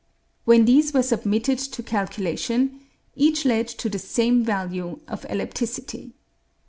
When these were submitted to calculation, each led to the same value of the ellipticity.